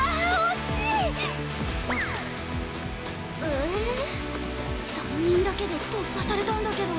え３人だけで突破されたんだけど。